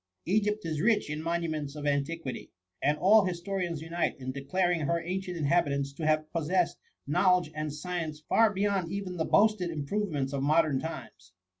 Egypt is rich in monuments 6f antiquity; and all historians unite in declar ing her ancient inhabitants to have possessed knowledge and science far beyond even the boasted improvements of modem times.